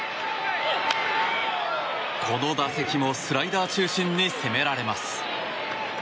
この打席もスライダー中心で攻められます。